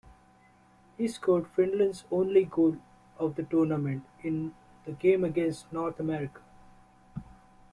He scored Finland's only goal of the tournament in the game against North America.